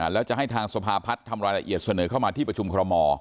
แล้วจะให้ทางสภาพัฒน์ทำรายละเอียดเสนอเข้ามาที่ประชุมคอรมอ